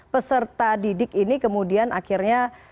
peserta didik ini kemudian akhirnya